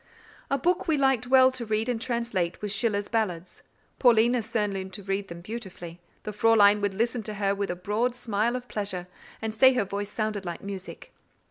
A book we liked well to read and translate was Schiller's Ballads; Paulina soon learned to read them beautifully; the Fräulein would listen to her with a broad smile of pleasure, and say her voice sounded like music.